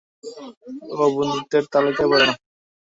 ও বন্ধুত্বের তালিকায় পড়ে না।